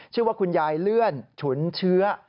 ชื่อว่าคุณยายเลื่อนฉุนเชื้อ